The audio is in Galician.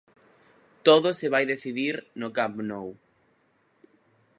Todo se vai decidir no Camp Nou...